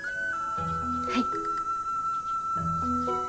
はい。